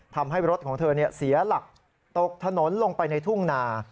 ทำให้รถของเธอเสียหลักตกถนนลงไปในทุ่งนา